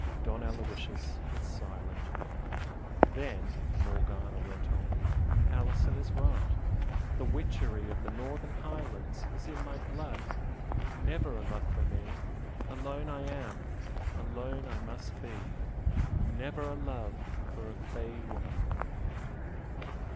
Don Aloysius was silent. "Then" Morgana went on "Alison is right. The witchery of the Northern Highlands is in my blood, never a love for me alone I am alone I must be! never a love for a 'fey' woman!"